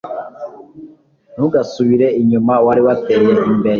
Ntugasubire inyuma wari wateye imbeye.